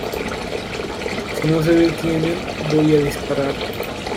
Si no se detienen voy a disparar!".